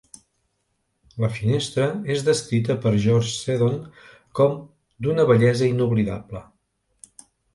La finestra és descrita per George Seddon com d'una "bellesa inoblidable".